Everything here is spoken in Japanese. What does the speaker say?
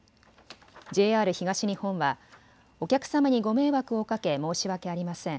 ＪＲ東日本はお客様にご迷惑をかけ申し訳ありません。